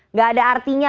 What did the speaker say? nggak ada artinya